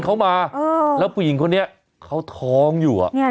เขามาแล้วผู้หญิงคนนี้เขาท้องอยู่อ่ะ